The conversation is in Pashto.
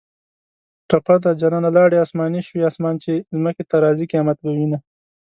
ټپه ده: جانانه لاړې اسماني شوې اسمان چې ځمکې ته راځۍ قیامت به وینه